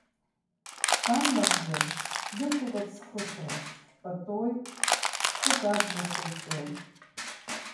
Сан лакәзар, дықәуп аԥсхыхраз, дпатоит, хәшәык аӡбахә лҳәоит.